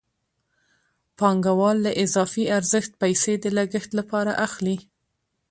پانګوال له اضافي ارزښت پیسې د لګښت لپاره اخلي